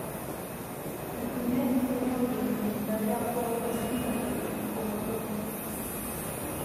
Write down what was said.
El primer diseño de indumentaria fue una camisa blanca, con botones negros.